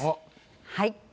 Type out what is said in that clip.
はい。